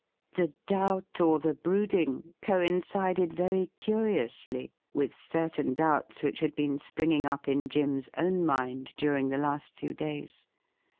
The doubt or the brooding co incided very curiously with certain doubts which had been springing up in Jim's own mind during the last few days.